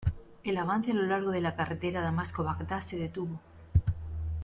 El avance a lo largo de la carretera Damasco-Bagdad se detuvo.